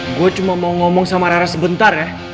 gue cuma mau ngomong sama rara sebentar ya